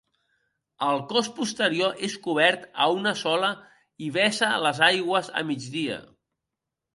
El cos posterior és cobert a una sola i vessa les aigües a migdia.